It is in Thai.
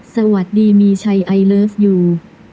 สวัสดีมีชัยไอเลิฟยู